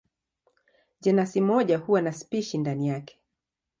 Jenasi moja huwa na spishi ndani yake.